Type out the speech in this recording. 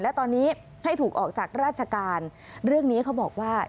และตอนนี้ให้ถูกออกจากราชการเรื่องนี้เขาบอกว่า